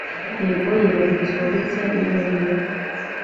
yego yubahirizwa gute niba ariwe